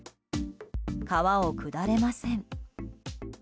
川を下れません。